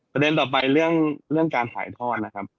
ประเด็นต่อไปเรื่องการถ่ายทอดนะครับ